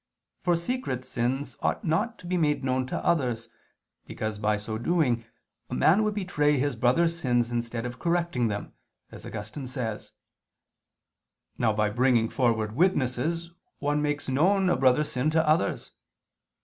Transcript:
For secret sins ought not to be made known to others, because by so doing "a man would betray his brother's sins instead of correcting them," as Augustine says (De Verb. Dom. xvi, 7). Now by bringing forward witnesses one makes known a brother's sin to others.